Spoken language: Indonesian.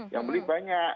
yang beli banyak